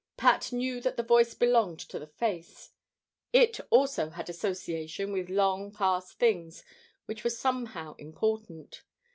Pat knew that the voice belonged to the face. It also had association with long past things which were somehow important.